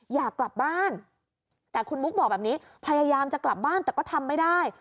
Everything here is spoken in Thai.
อยากกลับบ้านแต่คุณมุกบอกแบบนี้พยายามจะกลับบ้านแต่ก็ทำไม่ได้